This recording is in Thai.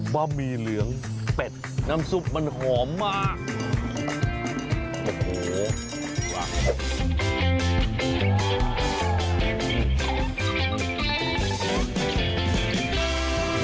บ้าบีเหลืองเป็ดน้ำซุปมันหอมมาก